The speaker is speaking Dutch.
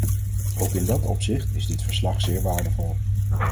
Ook in dat opzicht is dit verslag zeer waardevol.